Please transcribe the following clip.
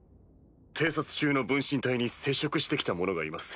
偵察中の分身体に接触して来た者がいます。